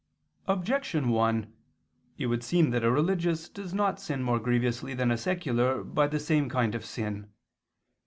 Objection 1: It would seem that a religious does not sin more grievously than a secular by the same kind of sin.